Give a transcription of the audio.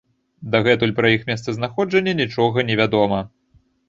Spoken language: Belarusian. Дагэтуль пра іх месцазнаходжанне нічога не вядома.